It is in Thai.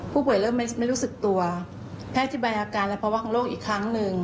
ผู้ป่วยเริ่มไม่รู้สึกตัวแพทย์อธิบายอาการและภาวะของโรคอีกครั้งหนึ่ง